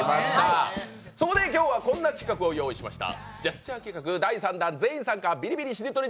そこで、今日はこんな企画を用意しました。